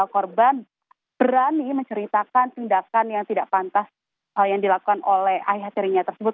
korban berani menceritakan tindakan yang tidak pantas yang dilakukan oleh ayah tirinya tersebut